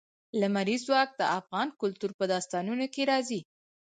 لمریز ځواک د افغان کلتور په داستانونو کې راځي.